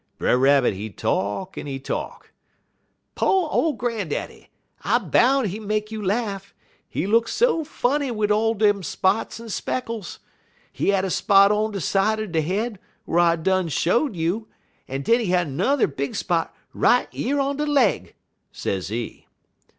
Brer Rabbit, he talk, en he talk: "'Po' ole grandaddy! I boun' he make you laff, he look so funny wid all dem spots en speckles. He had spot on de side er de head, whar I done show you, en den he had n'er big spot right yer on de leg,' sezee."